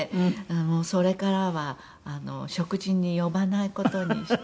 もうそれからは食事に呼ばない事にして。